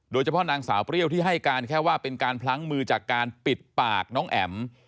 โดยเฉพาะนางสาวเปรี้ยวที่ให้การแค่ว่าเป็นการพลั้งมือจากการปิดปากน้องแอ๋ม